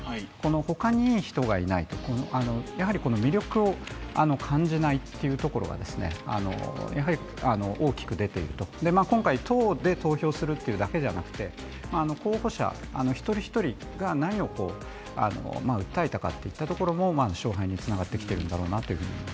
ほかにいい人がいない、魅力を感じないっていうところが大きく出ている、今回、党で投票するだけじゃなくて候補者１人１人が何を訴えたかといったところも勝敗につながってきているんだろうなと。